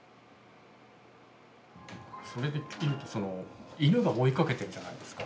それで言うと犬が追いかけてるじゃないですか？